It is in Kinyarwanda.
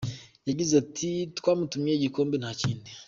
Yagize ati: “Twamutumye igikombe nta kindi.